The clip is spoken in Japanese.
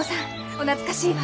お懐かしいわ。